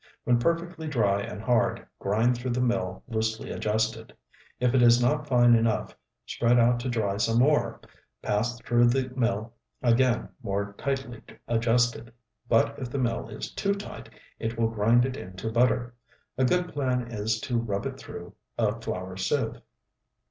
When perfectly dry and hard, grind through the mill loosely adjusted. If it is not fine enough, spread out to dry some more, pass through the mill again more tightly adjusted, but if the mill is too tight, it will grind it into butter. A good plan is to rub it through a flour sieve.